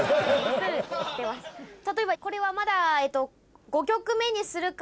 例えばこれはまだ。